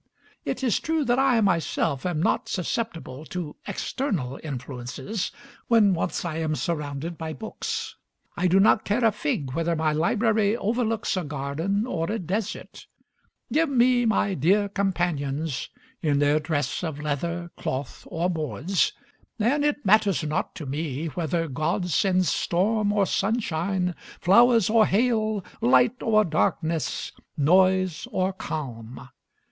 It is true that I myself am not susceptible to external influences when once I am surrounded by books; I do not care a fig whether my library overlooks a garden or a desert; give me my dear companions in their dress of leather, cloth, or boards, and it matters not to me whether God sends storm or sunshine, flowers or hail, light or darkness, noise or calm.